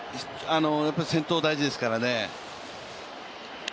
先頭大事ですからね。